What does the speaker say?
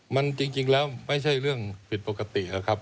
มันจริงแล้วไม่ใช่เรื่องผิดปกติแล้วครับ